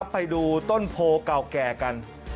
ไปดูต้นโพเก่าแก่กัน